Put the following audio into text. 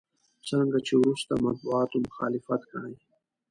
څرنګه چې وروسته مطبوعاتو مخالفت کړی.